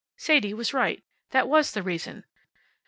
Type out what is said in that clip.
Sadie was right. That was the reason.